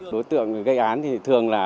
đối tượng gây án thì thường là